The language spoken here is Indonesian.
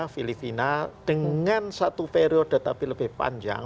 filipina dengan satu periode tapi lebih panjang